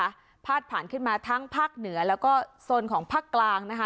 พาดผ่านขึ้นมาทั้งภาคเหนือแล้วก็โซนของภาคกลางนะคะ